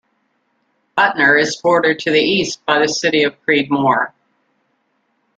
Butner is bordered to the east by the city of Creedmoor.